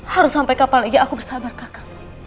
harus sampai kapan lagi aku bersabar kakak